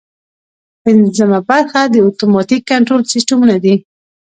پنځمه برخه د اتوماتیک کنټرول سیسټمونه دي.